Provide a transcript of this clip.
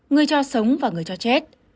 người cho sống và người cho chết